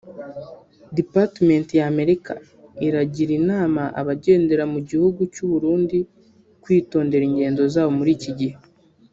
Departement y’Amerika iragira inama abagendera mu gihugu cy’u Burundi kwitondera ingendo zabo muri iki gihe